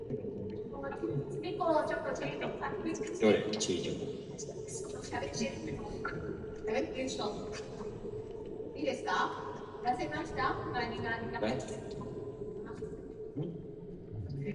Some people associated with Hoover have supported the rumors about his homosexual tendencies.